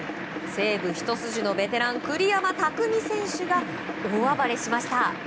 西武一筋のベテラン栗山巧選手が大暴れしました。